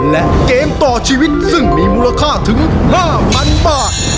และเกมต่อชีวิตซึ่งมีมูลค่าถึง๕๐๐๐บาท